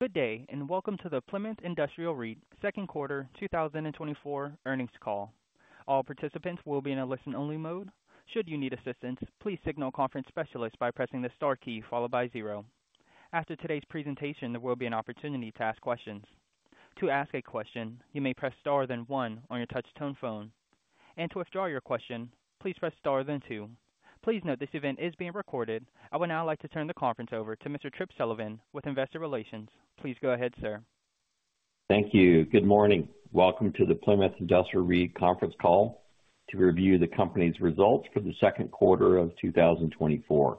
Good day, and welcome to the Plymouth Industrial REIT second quarter 2024 earnings call. All participants will be in a listen-only mode. Should you need assistance, please signal a conference specialist by pressing the star key followed by zero. After today's presentation, there will be an opportunity to ask questions. To ask a question, you may press Star then one on your touchtone phone, and to withdraw your question, please Press Star, then two. Please note this event is being recorded. I would now like to turn the conference over to Mr. Tripp Sullivan with Investor Relations. Please go ahead, sir. Thank you. Good morning. Welcome to the Plymouth Industrial REIT conference call to review the company's results for the second quarter of 2024.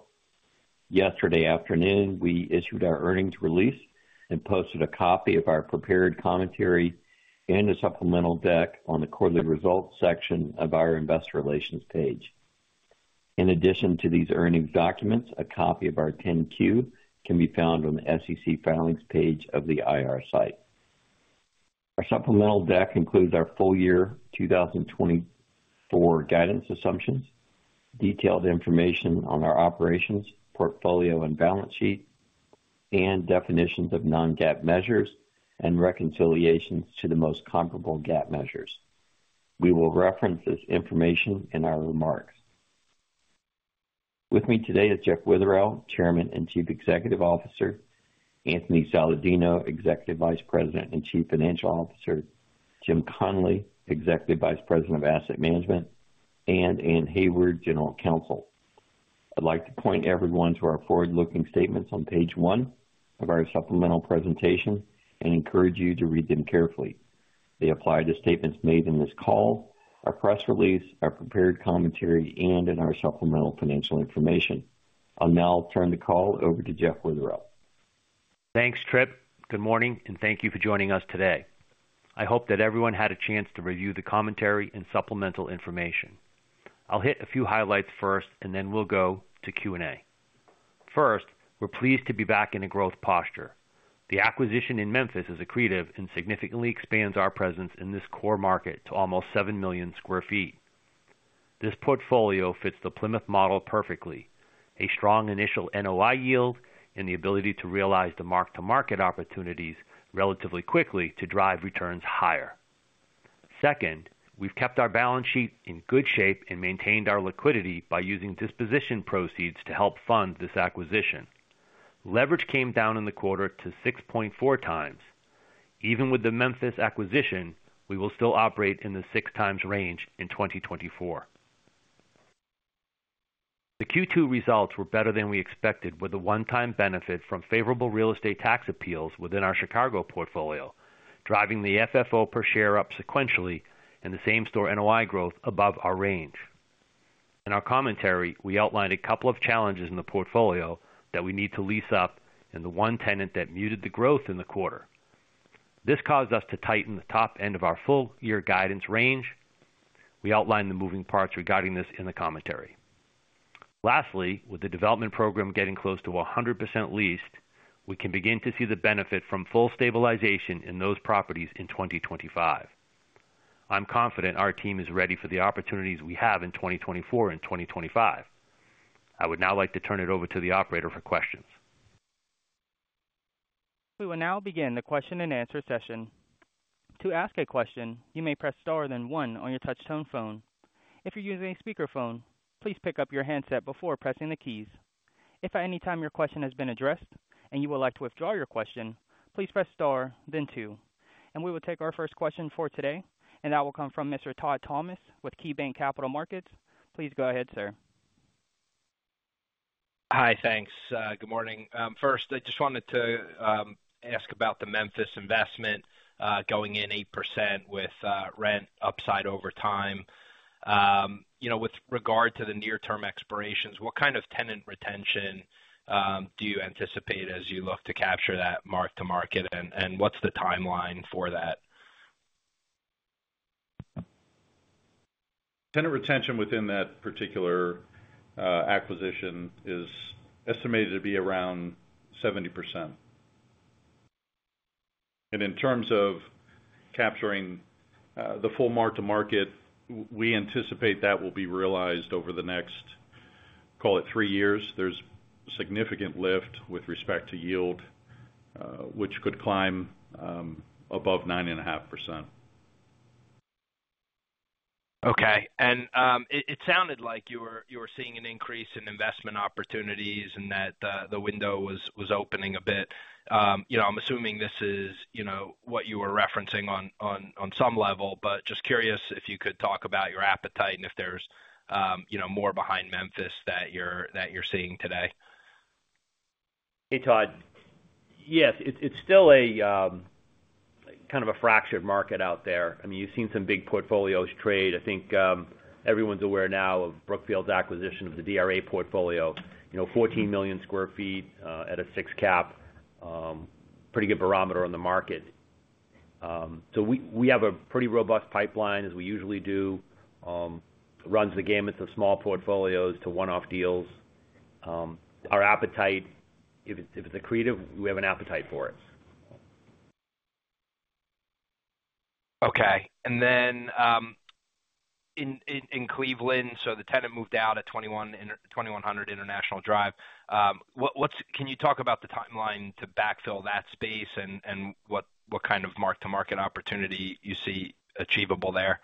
Yesterday afternoon, we issued our earnings release and posted a copy of our prepared commentary and a supplemental deck on the quarterly results section of our investor relations page. In addition to these earnings documents, a copy of our 10-Q can be found on the SEC Filings page of the IR site. Our supplemental deck includes our full year 2024 guidance assumptions, detailed information on our operations, portfolio, and balance sheet, and definitions of non-GAAP measures, and reconciliations to the most comparable GAAP measures. We will reference this information in our remarks. With me today is Jeff Witherell, Chairman and Chief Executive Officer, Anthony Saladino, Executive Vice President and Chief Financial Officer, Jim Connolly, Executive Vice President of Asset Management, and Anne Hayward, General Counsel. I'd like to point everyone to our forward-looking statements on page one of our supplemental presentation and encourage you to read them carefully. They apply to statements made in this call, our press release, our prepared commentary, and in our supplemental financial information. I'll now turn the call over to Jeff Witherell. Thanks, Tripp. Good morning, and thank you for joining us today. I hope that everyone had a chance to review the commentary and supplemental information. I'll hit a few highlights first, and then we'll go to Q&A. First, we're pleased to be back in a growth posture. The acquisition in Memphis is accretive and significantly expands our presence in this core market to almost 7 million sq ftt. This portfolio fits the Plymouth model perfectly. A strong initial NOI yield and the ability to realize the mark-to-market opportunities relatively quickly to drive returns higher. Second, we've kept our balance sheet in good shape and maintained our liquidity by using disposition proceeds to help fund this acquisition. Leverage came down in the quarter to 6.4x. Even with the Memphis acquisition, we will still operate in the 6x range in 2024. The Q2 results were better than we expected, with a one-time benefit from favorable real estate tax appeals within our Chicago portfolio, driving the FFO per share up sequentially and the same-store NOI growth above our range. In our commentary, we outlined a couple of challenges in the portfolio that we need to lease up and the one tenant that muted the growth in the quarter. This caused us to tighten the top end of our full-year guidance range. We outlined the moving parts regarding this in the commentary. Lastly, with the development program getting close to 100% leased, we can begin to see the benefit from full stabilization in those properties in 2025. I'm confident our team is ready for the opportunities we have in 2024 and 2025. I would now like to turn it over to the operator for questions. We will now begin the question-and-answer session. To ask a question, you may press Star then one on your touchtone phone. If you're using a speakerphone, please pick up your handset before pressing the keys. If at any time your question has been addressed and you would like to withdraw your question, please Press Star, then two. We will take our first question for today, and that will come from Mr. Todd Thomas with KeyBanc Capital Markets. Please go ahead, sir. Hi, thanks. Good morning. First, I just wanted to ask about the Memphis investment, going in 8% with rent upside over time. You know, with regard to the near-term expirations, what kind of tenant retention do you anticipate as you look to capture that mark-to-market, and what's the timeline for that? Tenant retention within that particular acquisition is estimated to be around 70%. And in terms of capturing the full mark-to-market, we anticipate that will be realized over the next, call it, three years. There's significant lift with respect to yield, which could climb above 9.5%. Okay. And it sounded like you were seeing an increase in investment opportunities and that the window was opening a bit. You know, I'm assuming this is, you know, what you were referencing on some level, but just curious if you could talk about your appetite and if there's, you know, more behind Memphis that you're seeing today. Hey, Todd. Yes, it's still a kind of a fractured market out there. I mean, you've seen some big portfolios trade. I think everyone's aware now of Brookfield's acquisition of the DRA portfolio, you know, 14 million sq ft at a fixed cap. Pretty good barometer on the market. So we have a pretty robust pipeline, as we usually do. Runs the gamut of small portfolios to one-off deals. Our appetite, if it's accretive, we have an appetite for it. ... Okay. And then, in Cleveland, so the tenant moved out at 2100 International Drive. Can you talk about the timeline to backfill that space and what kind of mark-to-market opportunity you see achievable there?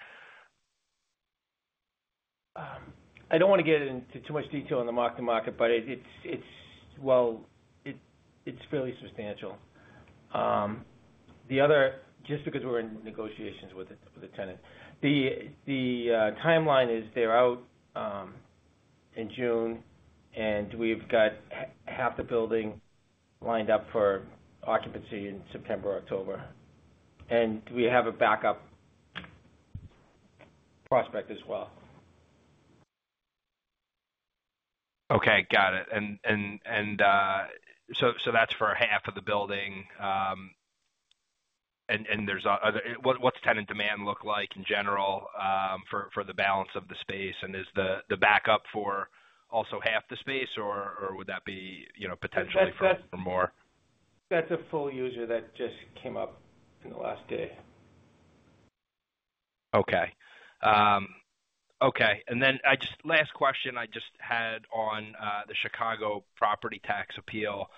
I don't wanna get into too much detail on the mark-to-market, but it's fairly substantial. Well, it's fairly substantial. The other – just because we're in negotiations with the tenant. The timeline is they're out in June, and we've got half the building lined up for occupancy in September or October, and we have a backup prospect as well. Okay, got it. And, so that's for half of the building. And there's other... What's tenant demand look like in general, for the balance of the space? And is the backup for also half the space, or would that be, you know, potentially for more? That's a full user that just came up in the last day. Okay. Okay, and then I just... Last question I just had on, the Chicago property tax appeal.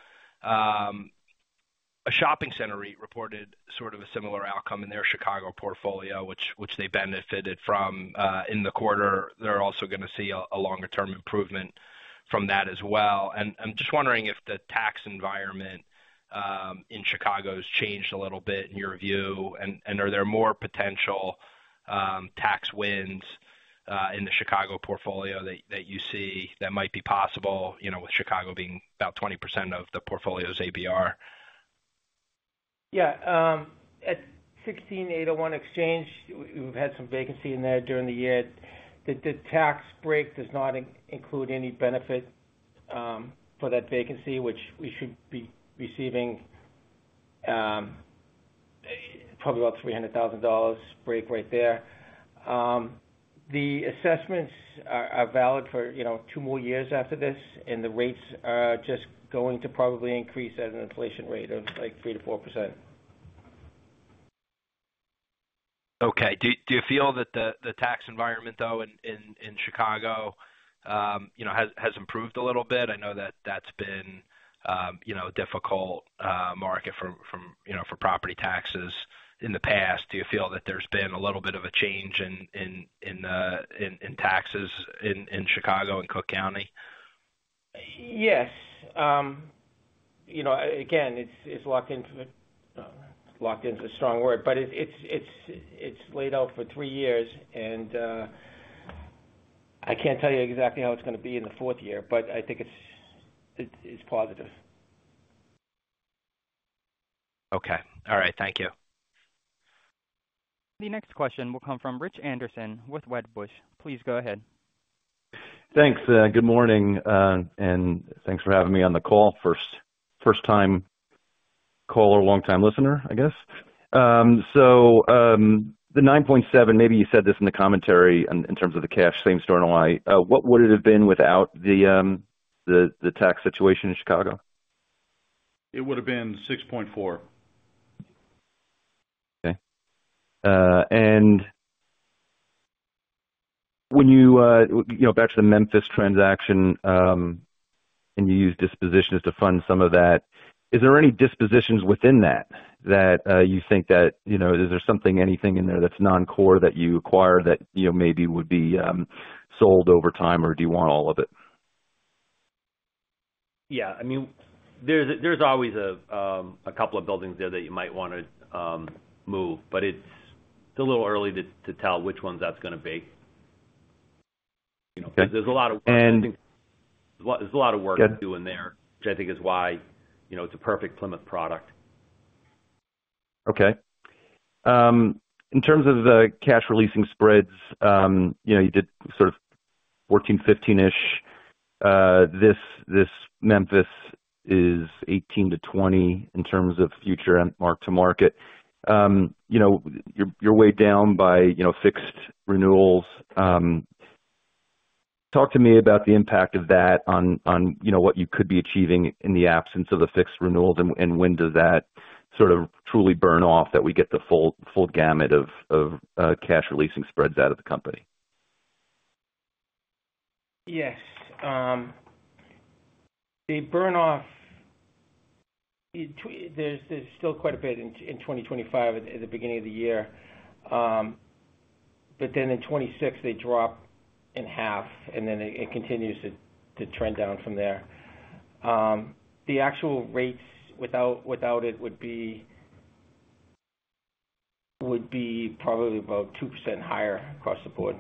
A shopping center reported sort of a similar outcome in their Chicago portfolio, which, which they benefited from, in the quarter. They're also gonna see a, a longer-term improvement from that as well. And I'm just wondering if the tax environment, in Chicago has changed a little bit in your view, and, and are there more potential, tax wins, in the Chicago portfolio that, that you see that might be possible, you know, with Chicago being about 20% of the portfolio's APR? Yeah. At 16801 Exchange, we've had some vacancy in there during the year. The, the tax break does not include any benefit for that vacancy, which we should be receiving probably about $300,000 break right there. The assessments are valid for, you know, two more years after this, and the rates are just going to probably increase at an inflation rate of, like, 3%-4%. Okay. Do you feel that the tax environment, though, in Chicago, you know, has improved a little bit? I know that that's been, you know, a difficult market for property taxes in the past. Do you feel that there's been a little bit of a change in taxes in Chicago and Cook County? Yes. You know, again, it's locked into the... locked into is a strong word, but it's laid out for three years, and I can't tell you exactly how it's gonna be in the fourth year, but I think it's positive. Okay. All right. Thank you. The next question will come from Rich Anderson with Wedbush. Please go ahead. Thanks. Good morning, and thanks for having me on the call. First time caller, long time listener, I guess. So, the 9.7, maybe you said this in the commentary in terms of the cash same-store NOI. What would it have been without the tax situation in Chicago? It would've been 6.4. Okay. And when you, you know, back to the Memphis transaction, and you used dispositions to fund some of that, is there any dispositions within that that you think that, you know, is there something, anything in there that's non-core that you acquire that, you know, maybe would be sold over time, or do you want all of it? Yeah. I mean, there's always a couple of buildings there that you might wanna move, but it's still a little early to tell which ones that's gonna be. You know, there's a lot of- And- There's a lot of work to do in there, which I think is why, you know, it's a perfect Plymouth product. Okay. In terms of the cash releasing spreads, you know, you did sort of 14, 15-ish. This, this Memphis is 18-20 in terms of future and mark-to-market. You know, you're, you're way down by, you know, fixed renewals. Talk to me about the impact of that on, on, you know, what you could be achieving in the absence of the fixed renewals, and, and when does that sort of truly burn off, that we get the full, full gamut of cash releasing spreads out of the company? Yes. They burn off. There's still quite a bit in 2025, at the beginning of the year. But then in 2026, they drop in half, and then it continues to trend down from there. The actual rates, without it would be probably about 2% higher across the board.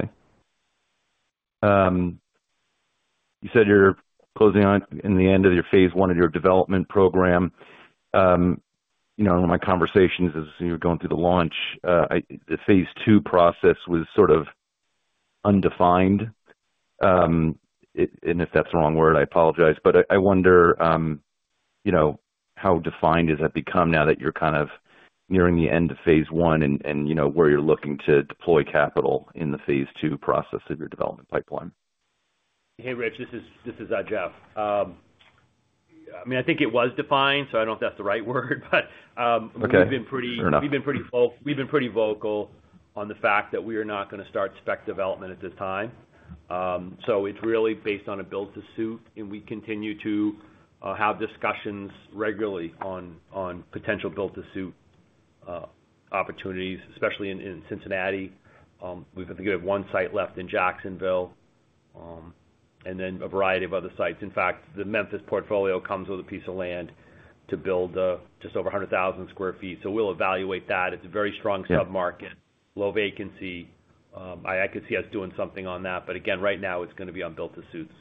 Okay. You said you're closing on in the end of your phase one of your development program. You know, in my conversations as you're going through the launch, the phase II process was sort of undefined. And if that's the wrong word, I apologize, but I wonder, you know, how defined has that become now that you're kind of nearing the end of phase one and you know, where you're looking to deploy capital in the phase two process of your development pipeline?... Hey, Rich, this is Jeff. I mean, I think it was defined, so I don't know if that's the right word, but- Okay, fair enough. We've been pretty vocal on the fact that we are not gonna start spec development at this time. So it's really based on a build-to-suit, and we continue to have discussions regularly on potential build-to-suit opportunities, especially in Cincinnati. We've got one site left in Jacksonville, and then a variety of other sites. In fact, the Memphis portfolio comes with a piece of land to build just over 100,000 sq ft. So we'll evaluate that. It's a very strong- Yeah... sub-market, low vacancy. I could see us doing something on that. But again, right now, it's gonna be on build-to-suits.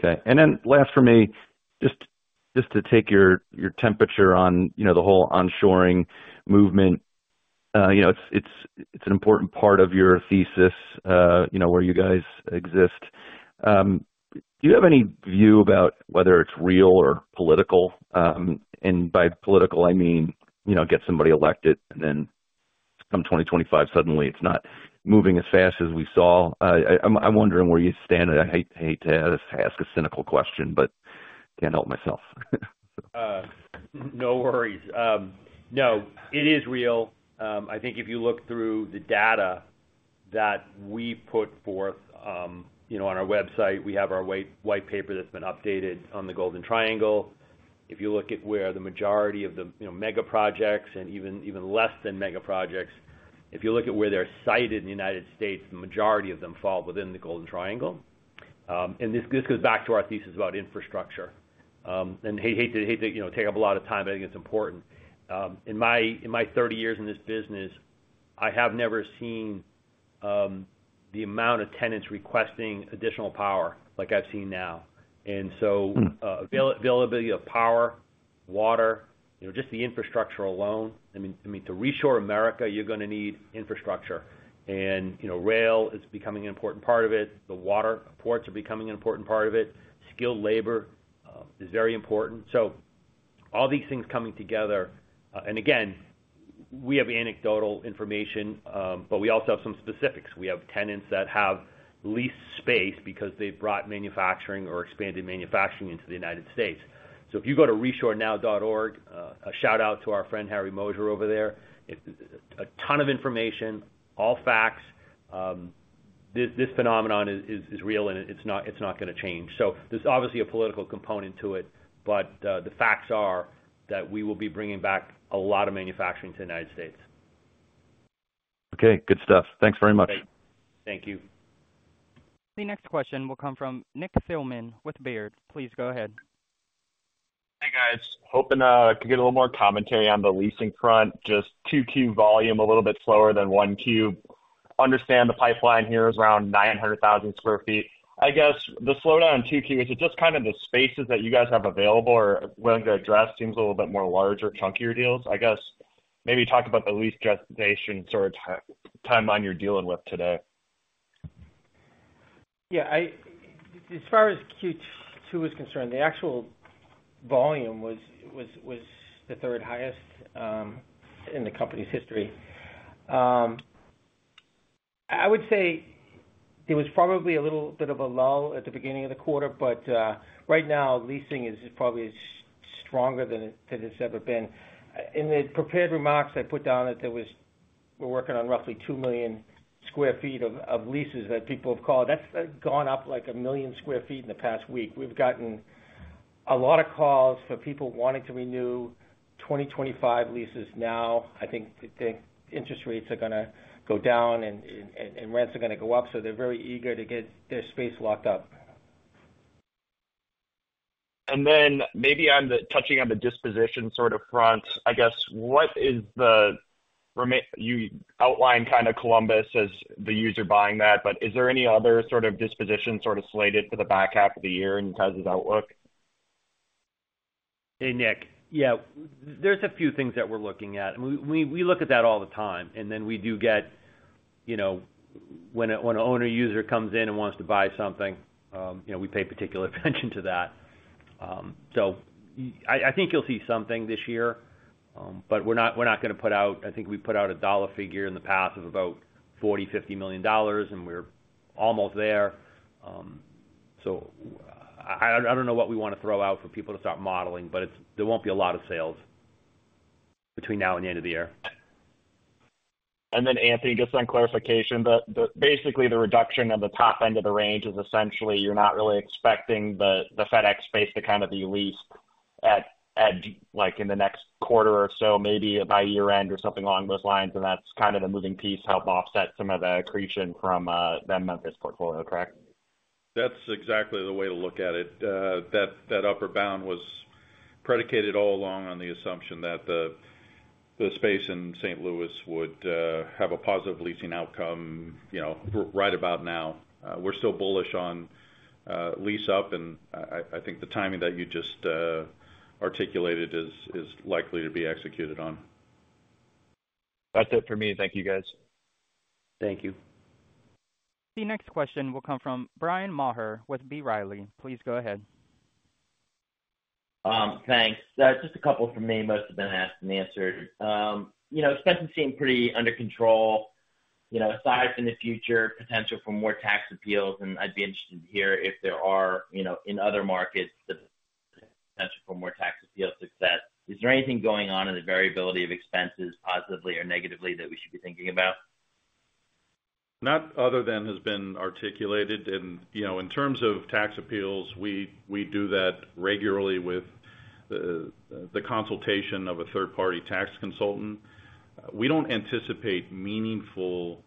Okay. And then last for me, just to take your temperature on, you know, the whole onshoring movement. You know, it's an important part of your thesis, you know, where you guys exist. Do you have any view about whether it's real or political? And by political, I mean, you know, get somebody elected, and then come 2025, suddenly it's not moving as fast as we saw. I'm wondering where you stand. I hate to ask a cynical question, but can't help myself. No worries. No, it is real. I think if you look through the data that we put forth, you know, on our website, we have our white paper that's been updated on the Golden Triangle. If you look at where the majority of the, you know, mega projects and even less than mega projects, if you look at where they're sited in the United States, the majority of them fall within the Golden Triangle. And this goes back to our thesis about infrastructure. And I hate to, you know, take up a lot of time, but I think it's important. In my 30 years in this business, I have never seen the amount of tenants requesting additional power like I've seen now. And so- Mm-hmm... availability of power, water, you know, just the infrastructure alone. I mean, to reshore America, you're gonna need infrastructure. And, you know, rail is becoming an important part of it. The water ports are becoming an important part of it. Skilled labor is very important. So all these things coming together. And again, we have anecdotal information, but we also have some specifics. We have tenants that have leased space because they've brought manufacturing or expanded manufacturing into the United States. So if you go to reshorenow.org, a shout-out to our friend, Harry Moser, over there. It's a ton of information, all facts. This phenomenon is real, and it's not gonna change. There's obviously a political component to it, but the facts are that we will be bringing back a lot of manufacturing to the United States. Okay, good stuff. Thanks very much. Thank you. The next question will come from Nick Thillman with Baird. Please go ahead. Hi, guys. Hoping to get a little more commentary on the leasing front, just 2Q volume, a little bit slower than 1Q. Understand the pipeline here is around 900,000 sq ft. I guess, the slowdown in 2Q, is it just kind of the spaces that you guys have available or willing to address, seems a little bit more larger, chunkier deals? I guess, maybe talk about the lease gestation sort of timeline you're dealing with today. Yeah, as far as Q2 is concerned, the actual volume was the third highest in the company's history. I would say there was probably a little bit of a lull at the beginning of the quarter, but right now, leasing is probably stronger than it, than it's ever been. In the prepared remarks, I put down that there was... We're working on roughly 2 million sq ft of leases that people have called. That's gone up like 1 million sq ft in the past week. We've gotten a lot of calls for people wanting to renew 2025 leases now. I think, they think interest rates are gonna go down and rents are gonna go up, so they're very eager to get their space locked up. Then maybe touching on the disposition sort of front, I guess, what is the remaining you outlined kind of Columbus as the one buying that, but is there any other sort of disposition sort of slated for the back half of the year in terms of outlook? Hey, Nick. Yeah, there's a few things that we're looking at, and we look at that all the time, and then we do get, you know, when an owner user comes in and wants to buy something, you know, we pay particular attention to that. So I think you'll see something this year, but we're not, we're not gonna put out... I think we put out a dollar figure in the past of about $40-$50 million, and we're almost there. So I don't know what we wanna throw out for people to start modeling, but it's— there won't be a lot of sales between now and the end of the year. And then, Anthony, just on clarification, basically, the reduction on the top end of the range is essentially you're not really expecting the FedEx space to kind of be leased at, like, in the next quarter or so, maybe by year-end or something along those lines, and that's kind of the moving piece to help offset some of the accretion from the Memphis portfolio, correct? That's exactly the way to look at it. That upper bound was predicated all along on the assumption that the space in St. Louis would have a positive leasing outcome, you know, right about now. We're still bullish on lease up, and I think the timing that you just articulated is likely to be executed on. That's it for me. Thank you, guys. Thank you. The next question will come from Bryan Maher with B. Riley. Please go ahead.... Thanks. Just a couple from me. Most have been asked and answered. You know, expenses seem pretty under control, you know, aside from the future potential for more tax appeals, and I'd be interested to hear if there are, you know, in other markets, the potential for more tax appeal success. Is there anything going on in the variability of expenses, positively or negatively, that we should be thinking about? Not other than has been articulated. You know, in terms of tax appeals, we do that regularly with the consultation of a third-party tax consultant. We don't anticipate meaningful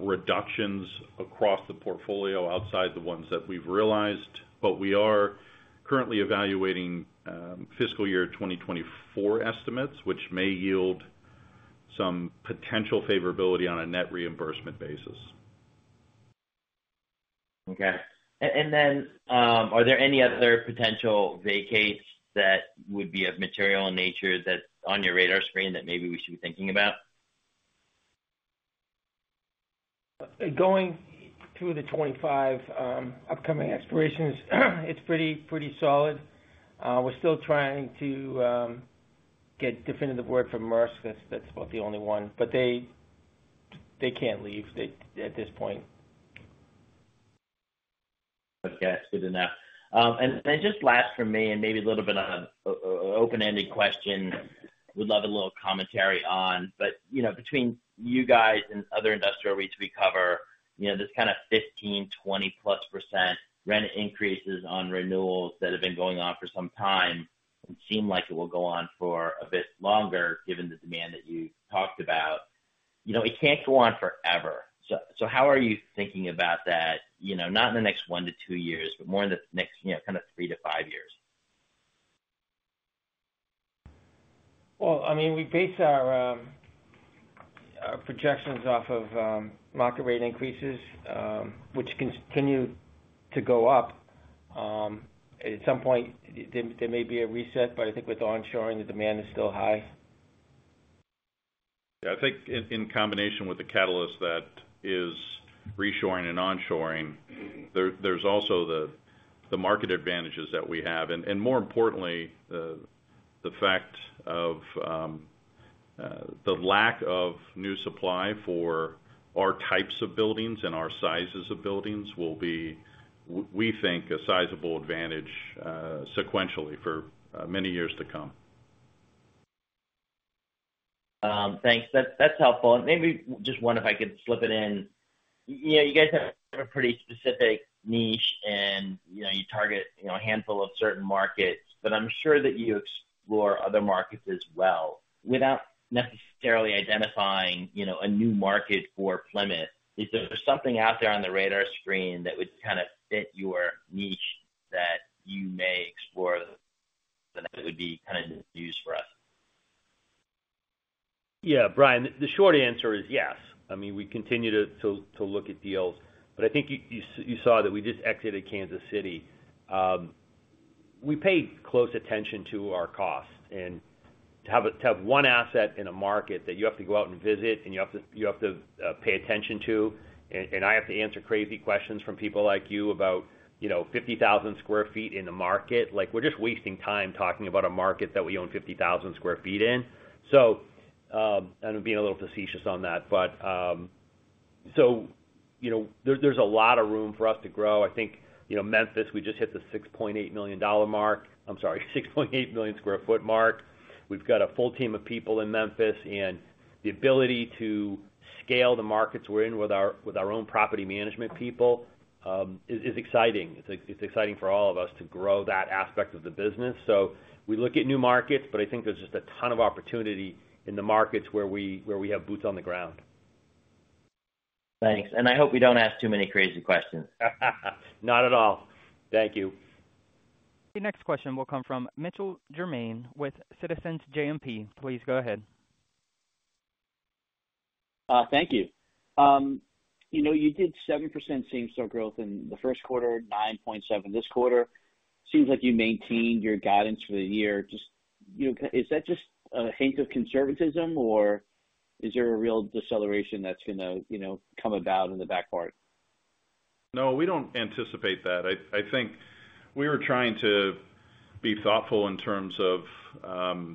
reductions across the portfolio outside the ones that we've realized, but we are currently evaluating fiscal year 2024 estimates, which may yield some potential favorability on a net reimbursement basis. Okay. And then, are there any other potential vacates that would be of material in nature that's on your radar screen that maybe we should be thinking about? Going through the 25 upcoming expirations, it's pretty, pretty solid. We're still trying to get definitive word from Maersk. That's, that's about the only one, but they, they can't leave, they at this point. Okay, good enough. And just last for me, and maybe a little bit on an open-ended question, would love a little commentary on. But you know, between you guys and other industrial REITs we cover, you know, this kind of 15, +20% rent increases on renewals that have been going on for some time and seem like it will go on for a bit longer, given the demand that you talked about. You know, it can't go on forever. So how are you thinking about that, you know, not in the next 1-2 years, but more in the next, you know, kind of 3-5 years? Well, I mean, we base our projections off of market rate increases, which continue to go up. At some point, there may be a reset, but I think with onshoring, the demand is still high. Yeah, I think in combination with the catalyst that is reshoring and onshoring, there's also the market advantages that we have, and more importantly, the fact of the lack of new supply for our types of buildings and our sizes of buildings will be, we think, a sizable advantage, sequentially for many years to come. Thanks. That's, that's helpful. And maybe just one, if I could slip it in. Yeah, you guys have a pretty specific niche, and, you know, you target, you know, a handful of certain markets, but I'm sure that you explore other markets as well. Without necessarily identifying, you know, a new market for Plymouth, is there something out there on the radar screen that would kind of fit your niche that you may explore, that it would be kind of news for us? Yeah, Brian, the short answer is yes. I mean, we continue to look at deals, but I think you saw that we just exited Kansas City. We pay close attention to our costs, and to have one asset in a market that you have to go out and visit, and you have to pay attention to, and I have to answer crazy questions from people like you about, you know, 50,000 sq ft in the market, like, we're just wasting time talking about a market that we own 50,000 sq ft in. So, and I'm being a little facetious on that, but... So, you know, there's a lot of room for us to grow. I think, you know, Memphis, we just hit the $6.8 million mark. I'm sorry, 6.8 million sq ft mark. We've got a full team of people in Memphis, and the ability to scale the markets we're in with our, with our own property management people, is, is exciting. It's, it's exciting for all of us to grow that aspect of the business. So we look at new markets, but I think there's just a ton of opportunity in the markets where we, where we have boots on the ground. Thanks, and I hope we don't ask too many crazy questions. Not at all. Thank you. Your next question will come from Mitchell Germain with Citizens JMP. Please go ahead. Thank you. You know, you did 7% same-store growth in the first quarter, 9.7 this quarter. Seems like you maintained your guidance for the year. Just, you know, is that just a hint of conservatism, or is there a real deceleration that's gonna, you know, come about in the back part? No, we don't anticipate that. I think we were trying to be thoughtful in terms of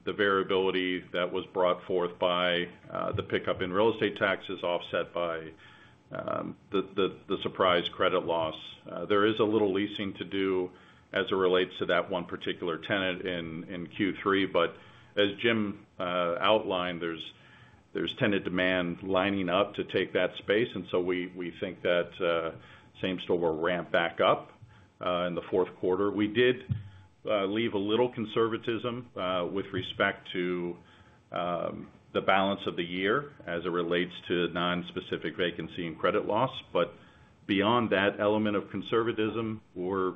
the variability that was brought forth by the pickup in real estate taxes, offset by the surprise credit loss. There is a little leasing to do as it relates to that one particular tenant in Q3, but as Jim outlined, there's tenant demand lining up to take that space, and so we think that same store will ramp back up in the fourth quarter. We did leave a little conservatism with respect to the balance of the year as it relates to nonspecific vacancy and credit loss, but beyond that element of conservatism, we're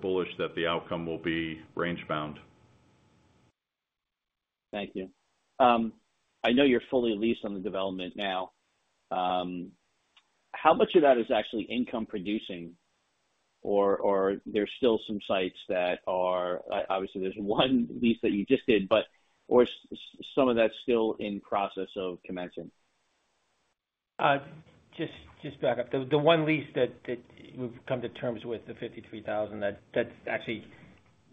bullish that the outcome will be range-bound. Thank you. I know you're fully leased on the development now. How much of that is actually income producing, or, or there's still some sites that are obviously, there's one lease that you just did, but or some of that's still in process of commencing? Just back up. The one lease that we've come to terms with, the 53,000, that's actually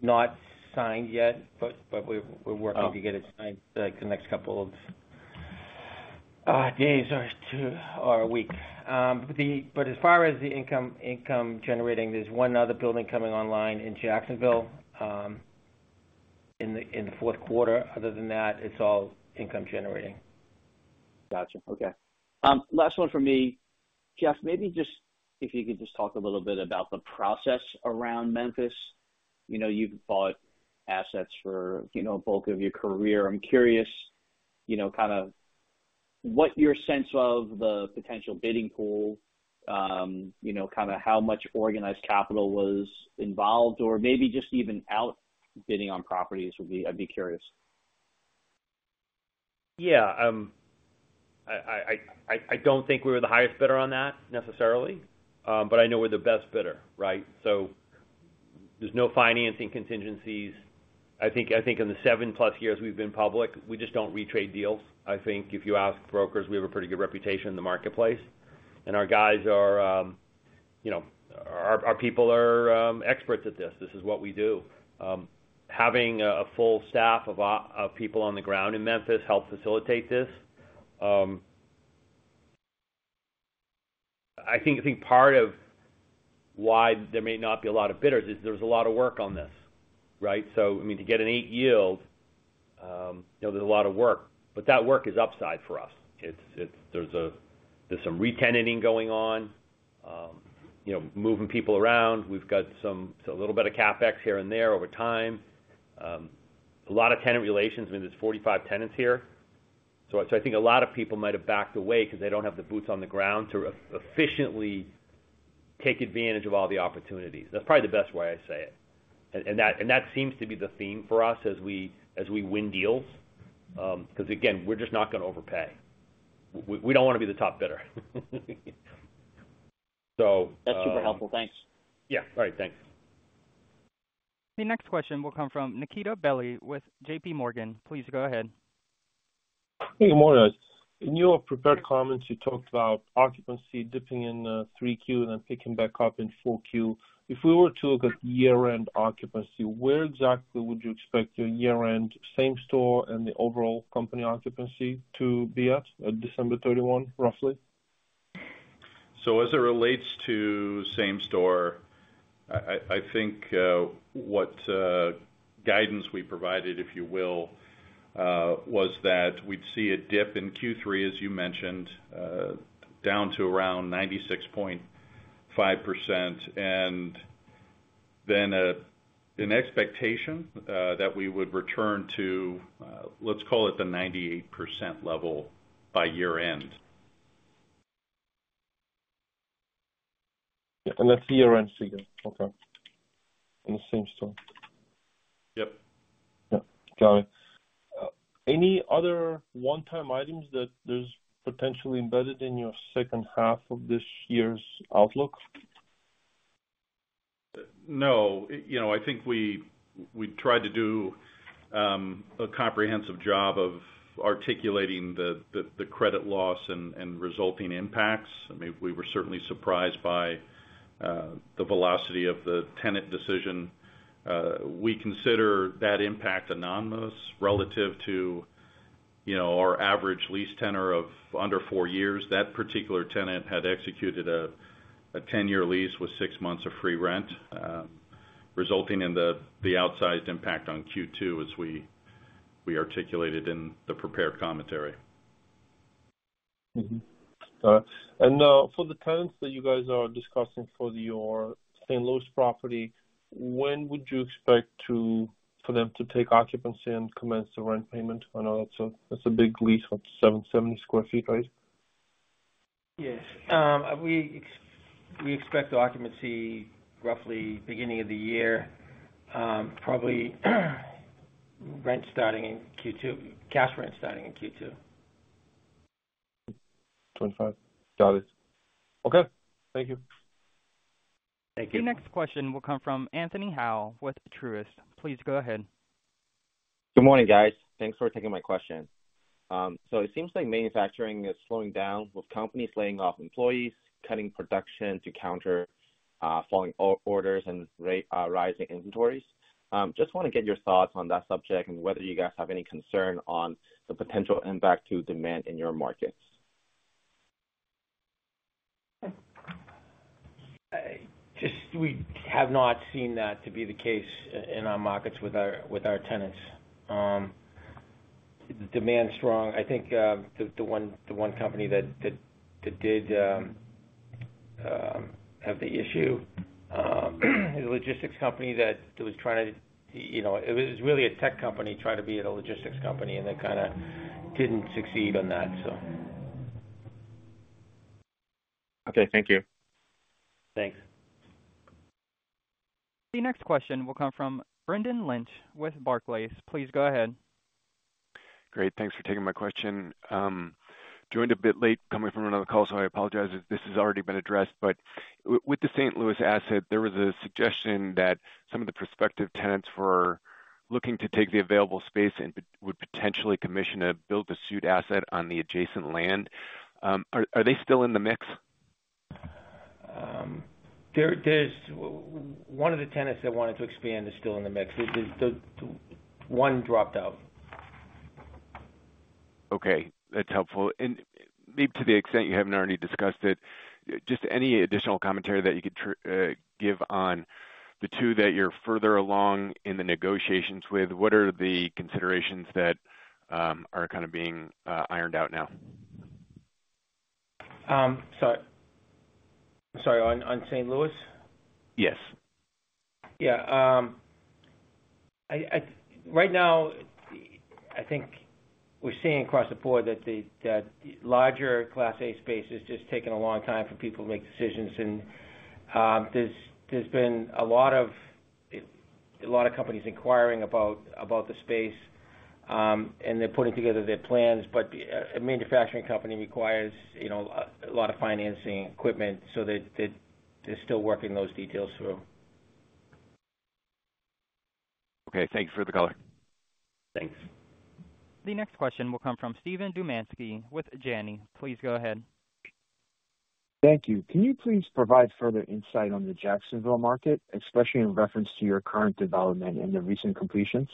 not signed yet, but we're working to get it signed, like, the next couple of days or two or a week. But as far as the income generating, there's one other building coming online in Jacksonville, in the fourth quarter. Other than that, it's all income generating. Gotcha. Okay. Last one for me. Jeff, maybe just if you could just talk a little bit about the process around Memphis. You know, you've bought assets for, you know, bulk of your career. I'm curious, you know, kind of what your sense of the potential bidding pool, you know, kind of how much organized capital was involved, or maybe just even out bidding on properties would be... I'd be curious. Yeah, I don't think we were the highest bidder on that, necessarily, but I know we're the best bidder, right? So there's no financing contingencies. I think in the +7 years we've been public, we just don't retrade deals. I think if you ask brokers, we have a pretty good reputation in the marketplace, and our guys are, you know, our people are experts at this. This is what we do. Having a full staff of people on the ground in Memphis helped facilitate this. I think part of why there may not be a lot of bidders is there's a lot of work on this, right? So, I mean, to get an yield, you know, there's a lot of work, but that work is upside for us. It's -- there's some re-tenanting going on, you know, moving people around. We've got a little bit of CapEx here and there over time. A lot of tenant relations. I mean, there's 45 tenants here. So I think a lot of people might have backed away because they don't have the boots on the ground to efficiently take advantage of all the opportunities. That's probably the best way I say it. And that seems to be the theme for us as we win deals. Because, again, we're just not gonna overpay. We don't want to be the top bidder. So- That's super helpful. Thanks. Yeah. All right, thanks. The next question will come from Nikita Bely with JP Morgan. Please go ahead. Hey, good morning. In your prepared comments, you talked about occupancy dipping in 3Q and then picking back up in 4Q. If we were to look at year-end occupancy, where exactly would you expect your year-end same store and the overall company occupancy to be at December 31, roughly? So as it relates to same store, I think what guidance we provided, if you will, was that we'd see a dip in Q3, as you mentioned, down to around 96.5%, and then an expectation that we would return to, let's call it the 98% level by year-end. Yeah, and that's year-end figure. Okay. In the same-store. Yep. Yep. Got it. Any other one-time items that there's potentially embedded in your second half of this year's outlook? No. You know, I think we tried to do a comprehensive job of articulating the credit loss and resulting impacts. I mean, we were certainly surprised by the velocity of the tenant decision. We consider that impact anomalous relative to, you know, our average lease tenor of under four years. That particular tenant had executed a 10 year lease with six months of free rent, resulting in the outsized impact on Q2, as we articulated in the prepared commentary. Mm-hmm. All right. And, for the tenants that you guys are discussing for your St. Louis property, when would you expect for them to take occupancy and commence the rent payment? I know that's a big lease, what, 770 sq ft, right? Yes. We expect the occupancy roughly beginning of the year, probably, rent starting in Q2, cash rent starting in Q2. 25. Got it. Okay. Thank you. Thank you. The next question will come from Anthony Hau with Truist. Please go ahead. Good morning, guys. Thanks for taking my question. So it seems like manufacturing is slowing down, with companies laying off employees, cutting production to counter falling orders and rising inventories. Just wanna get your thoughts on that subject, and whether you guys have any concern on the potential impact to demand in your markets. Just, we have not seen that to be the case in our markets with our tenants. Demand's strong. I think the one company that did have the issue, a logistics company that was trying to, you know... It was really a tech company trying to be a logistics company, and they kind of didn't succeed on that, so. Okay, thank you. Thanks. The next question will come from Brendan Lynch with Barclays. Please go ahead. Great, thanks for taking my question. Joined a bit late coming from another call, so I apologize if this has already been addressed. But with the St. Louis asset, there was a suggestion that some of the prospective tenants were looking to take the available space and would potentially commission a build-to-suit asset on the adjacent land. Are they still in the mix?... There's one of the tenants that wanted to expand is still in the mix. The one dropped out. Okay, that's helpful. And maybe to the extent you haven't already discussed it, just any additional commentary that you could give on the two that you're further along in the negotiations with? What are the considerations that are kind of being ironed out now? So, sorry, on St. Louis? Yes. Yeah, right now, I think we're seeing across the board that the larger Class A space is just taking a long time for people to make decisions. And, there's been a lot of companies inquiring about the space, and they're putting together their plans. But, a manufacturing company requires, you know, a lot of financing equipment, so they're still working those details through. Okay. Thanks for the color. Thanks. The next question will come from Steven Dumansky with Janney. Please go ahead. Thank you. Can you please provide further insight on the Jacksonville market, especially in reference to your current development and the recent completions?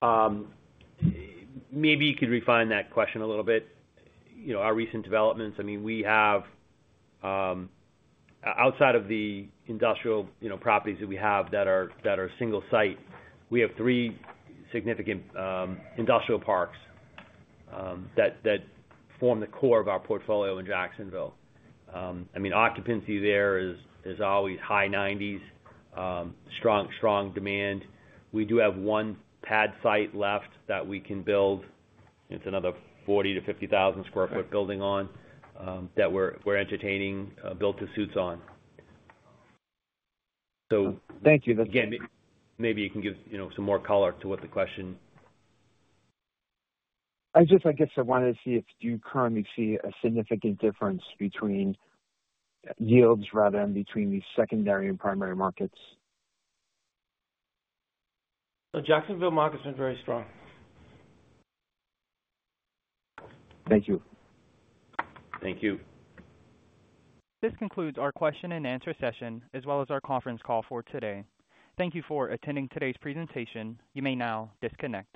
Maybe you could refine that question a little bit. You know, our recent developments, I mean, we have... Outside of the industrial, you know, properties that we have that are single site, we have three significant industrial parks that form the core of our portfolio in Jacksonville. I mean, occupancy there is always high 90s. Strong demand. We do have one pad site left that we can build. It's another 40,000-50,000 sq ft building on that we're entertaining build-to-suits on. So- Thank you. Again, maybe you can give, you know, some more color to what the question... I just, I guess I wanted to see if do you currently see a significant difference between yields rather than between the secondary and primary markets? The Jacksonville market's been very strong. Thank you. Thank you. This concludes our question and answer session, as well as our conference call for today. Thank you for attending today's presentation. You may now disconnect.